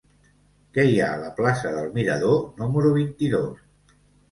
Què hi ha a la plaça del Mirador número vint-i-dos?